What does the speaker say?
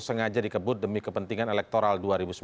sengaja dikebut demi kepentingan elektoral dua ribu sembilan belas